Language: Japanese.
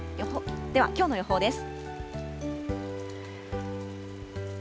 ではきょうの予報です。